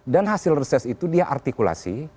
dan hasil reses itu dia artikulasi